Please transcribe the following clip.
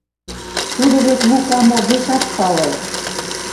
Тудо вет Лукам огешат пале.